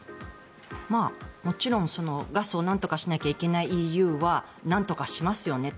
もちろんガスをなんとかしなきゃいけないＥＵはなんとかしますよねと。